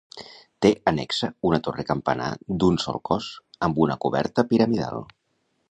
Té annexa una torre-campanar d'un sol cos, amb una coberta piramidal.